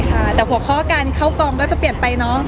ค่ะแต่หัวข้อการเข้ากองก็จะเปลี่ยนไปเนอะ